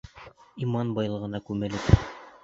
Иман байлығына күмелеп...